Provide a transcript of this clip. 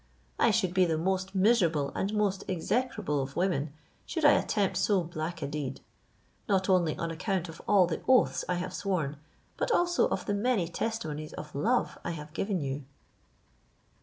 I should be the most miserable and most execrable of women, should I attempt so black a deed; not only on account of all the oaths I have sworn, but also of the many testimonies of love I have given you."